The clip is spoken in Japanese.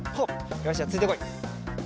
よしじゃあついてこい。